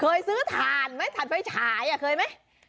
เคยซื้อถ่านไหมถ่านไฟฉายเคยไหม